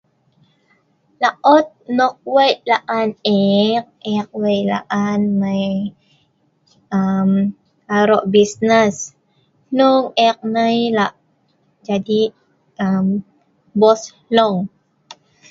Laot nok weik laan eek, eek weik laan mai em arok bisnes hnong eek nai lak jadi em bos hnou